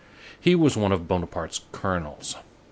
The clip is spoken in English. He was one of Bonaparte's colonels.